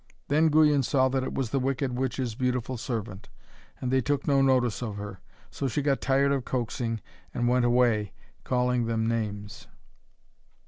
Then Guyon saw that it was the wicked witch's beautiful servant, and they took no notice of her. So she got tired of coaxing, and went away, calling them names.